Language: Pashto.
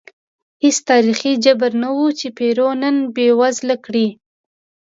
هېڅ تاریخي جبر نه و چې پیرو نن بېوزله کړي.